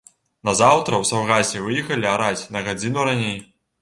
Назаўтра ў саўгасе выехалі араць на гадзіну раней.